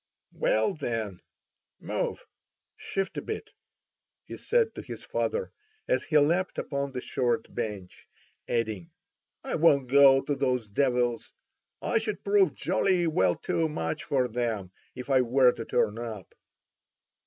"Well then, move, shift a bit," he said to his father, as he leapt upon the short bench, adding: "I won't go to those devils. I should prove jolly well too much for them, if I were to turn up.